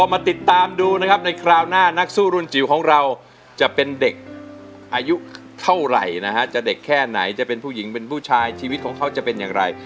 มาติดตามดูนะครับในคราวหน้านักสู้รุ่นจิ๋วของเราจะเป็นเด็กอายุเท่าไหร่นะฮะจะเด็กแค่ไหนจะเป็นผู้หญิงเป็นผู้ชายชีวิตของเขาจะเป็นอย่างไร